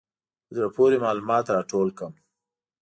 په زړه پورې معلومات راټول کړم.